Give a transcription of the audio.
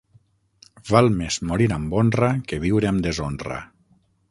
Val més morir amb honra que viure amb deshonra.